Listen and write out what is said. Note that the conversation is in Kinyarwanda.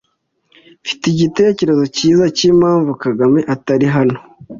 Mfite igitekerezo cyiza cyimpamvu Kagame atari hano.